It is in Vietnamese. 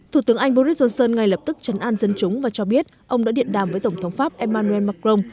thủ tướng anh boris johnson ngay lập tức chấn an dân chúng và cho biết ông đã điện đàm với tổng thống pháp emmanuel macron